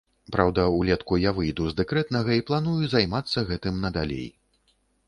Праўда, улетку я выйду з дэкрэтнага і планую займацца гэтым надалей.